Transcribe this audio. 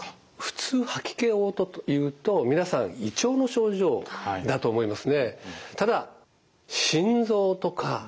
普通吐き気・おう吐というと皆さん胃腸の症状だと思いますね。